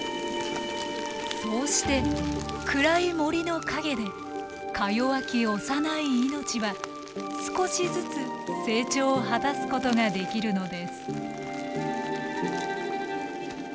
そうして暗い森の陰でかよわき幼い命は少しずつ成長を果たすことができるのです。